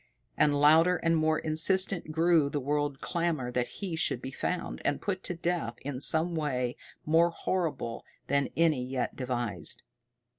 And louder and more insistent grew the world clamor that he should be found, and put to death in some way more horrible than any yet devised.